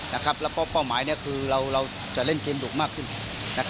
แล้วก็เป้าหมายคือเราจะเล่นเกมดุมากขึ้น